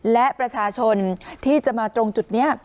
และประชาชนที่จะมาตรงจุดนี้